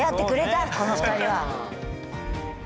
この２人は。